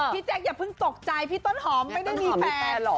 แจ๊คอย่าเพิ่งตกใจพี่ต้นหอมไม่ได้มีแฟน